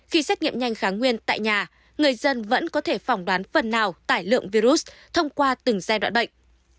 khi xét nghiệm nhanh kháng nguyên tại nhà người dân vẫn có thể phỏng đoán phần nào tải lượng virus thông qua từng giai đoạn bệnh